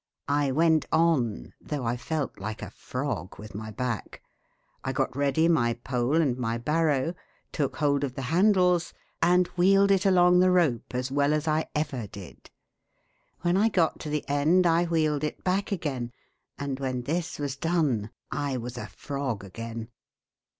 I went on, though I felt like a frog with my back. I got ready my pole and my barrow, took hold of the handles and wheeled it along the rope as well as I ever did. When I got to the end I wheeled it back again, and when this was done I was a frog again.